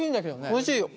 おいしいよ。